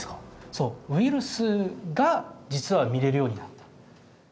そうウイルスが実は見れるようになった。